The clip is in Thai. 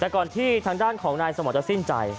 แต่ก่อนที่ทางด้านของนายสมรจะสิ้นใจ